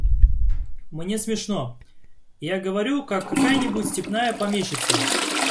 Мне смешно, я говорю, как какая-нибудь степная помещица.